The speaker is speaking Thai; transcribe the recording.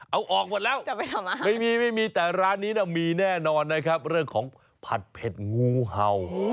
เอาออกหมดแล้วไม่มีแต่ร้านนี้มีแน่นอนนะครับเรื่องของผัดเผ็ดงูเห่า